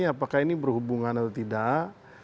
apakah ini berhubungan atau tidak